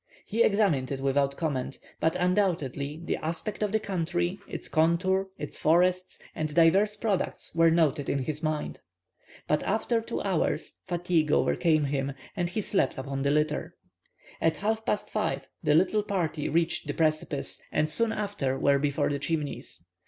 He examined it without comment, but undoubtedly the aspect of the country, its contour, its forests and diverse products were noted in his mind. But after two hours, fatigue overcame him, and he slept upon the litter. At half past 5 the little party reached the precipice, and soon after, were before the Chimneys.